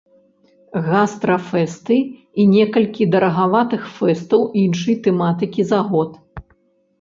Гастрафэсты і некалькі дарагаватых фэстаў іншай тэматыкі за год?